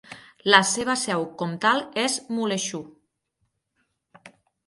La seva seu comtal és Muleshoe.